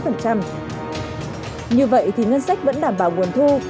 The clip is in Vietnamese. như vậy thì ngân sách vẫn đảm bảo nguồn thu